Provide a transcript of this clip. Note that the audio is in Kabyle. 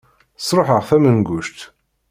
Sruḥeɣ tamenguct.